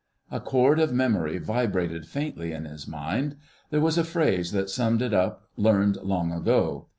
A chord of memory vibrated faintly in his mind. There was a phrase that summed it up, learned long ago....